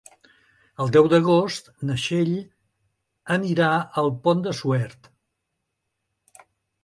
El deu d'agost na Txell anirà al Pont de Suert.